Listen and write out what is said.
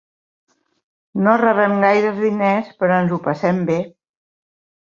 No rebem gaires diners però ens ho passem bé.